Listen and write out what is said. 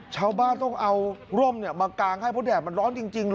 ชาวบ้านต้องเอาร่มมากางให้เพราะแดดมันร้อนจริงเหรอ